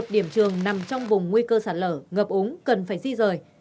một mươi điểm trường nằm trong vùng nguy cơ sạt lở ngập úng cần phải di rời